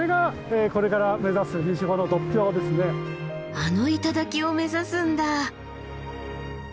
あの頂を目指すんだ。